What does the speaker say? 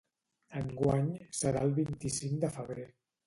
Enguany serà el vint-i-cinc de febrer.